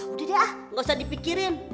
udah deh ah nggak usah dipikirin